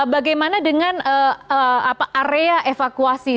bagaimana dengan area evakuasi